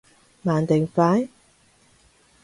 慢定快？